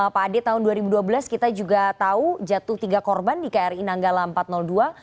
pak ade tahun dua ribu dua belas kita juga tahu jatuh tiga korban di kri nanggala empat ratus dua